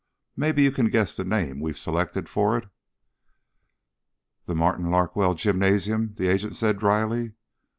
Maybe you can guess the name we've selected for it?" "The Martin Larkwell Gymnasium," the agent said drily.